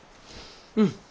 うん。